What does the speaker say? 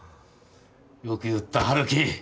よく言った春樹。